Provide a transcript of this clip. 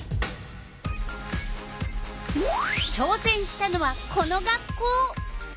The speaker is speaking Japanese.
ちょうせんしたのはこの学校。